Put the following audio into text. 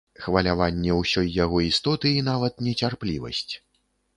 Хваляванне ўсёй яго істоты і нават нецярплівасць.